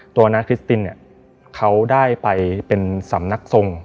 ตัวน้าคริสตินเขาได้ไปเป็นสำนักทรง